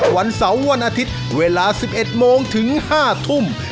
วันเสาร์วันอาทิตย์เวลา๑๑โมงถึง๕ทุ่ม